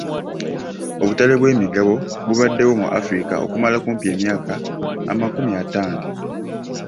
Obutale bw'emigabo bubaddewo mu Afirika okumala kumpi emyaka amakumi ataano.